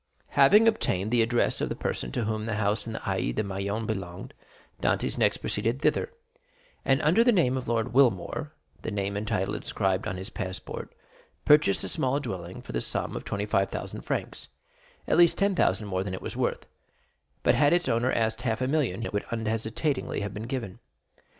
Having obtained the address of the person to whom the house in the Allées de Meilhan belonged, Dantès next proceeded thither, and, under the name of Lord Wilmore (the name and title inscribed on his passport), purchased the small dwelling for the sum of twenty five thousand francs, at least ten thousand more than it was worth; but had its owner asked half a million, it would unhesitatingly have been given.